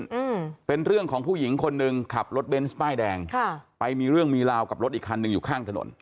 อืมเป็นเรื่องของผู้หญิงคนหนึ่งขับรถเบนส์ป้ายแดงค่ะไปมีเรื่องมีราวกับรถอีกคันหนึ่งอยู่ข้างถนน